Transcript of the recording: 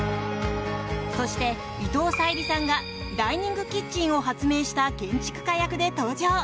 そして、伊藤沙莉さんがダイニングキッチンを発明した建築家役で登場。